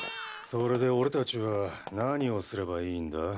それで俺達は何をすればいいんだ？